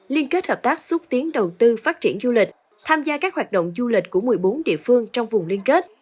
liên kết hợp tác xúc tiến đầu tư phát triển du lịch tham gia các hoạt động du lịch của một mươi bốn địa phương trong vùng liên kết